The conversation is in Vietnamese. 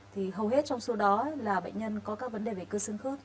thì hầu hết trong số đó là bệnh nhân có các vấn đề về cơ xương khớp